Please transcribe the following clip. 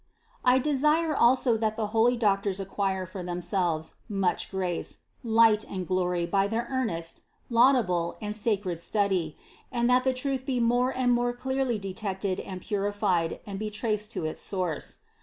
78. "I desire also that the holy doctors acquire for themselves much grace, light and glory by their earnest, laudable and sacred study, and that the truth be more and more clearly detected and purified, and be traced to its source.